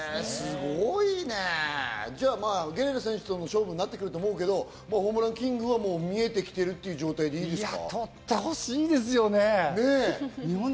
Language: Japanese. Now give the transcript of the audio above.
ゲレーロ選手との勝負になってくると思うけど、ホームランキングはもう見えてきているっていう状態でいいですか？